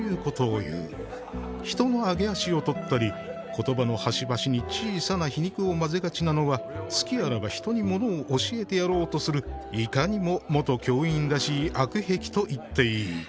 人の揚げ足をとったり、言葉の端々に小さな皮肉を混ぜがちなのは、隙あらば人にものを教えてやろうとするいかにも元教員らしい悪癖といっていい」。